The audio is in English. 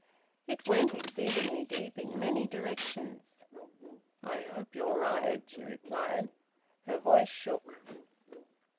It went exceedingly deep in many directions. "I hope you are right," she replied. Her voice shook.